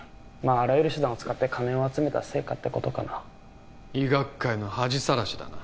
あらゆる手段を使って金を集めた成果ってことかな医学界の恥さらしだな